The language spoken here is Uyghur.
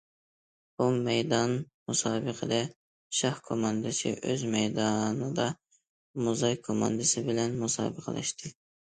بۇ مەيدان مۇسابىقىدە شاھ كوماندىسى ئۆز مەيدانىدا موزاي كوماندىسى بىلەن مۇسابىقىلەشتى.